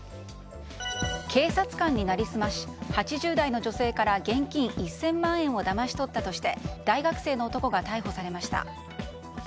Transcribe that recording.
警察官に成り済まし８０代の女性から現金１０００万円をだまし取ったとして大学生の男が逮捕されました。